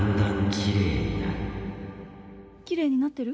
きれいになってる？